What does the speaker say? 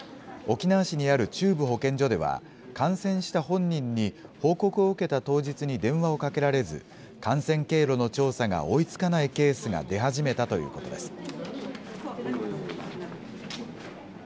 沖縄市にある中部保健所では、感染した本人に報告を受けた当日に電話をかけられず、感染経路の調査が追いつかないケースが出始めたということです。